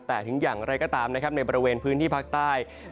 แต่ถึงอย่างไรก็ตามนะครับในบริเวณพื้นที่ภาคใต้